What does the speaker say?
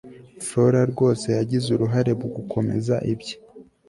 flora rwose yagize uruhare mugukomeza ibye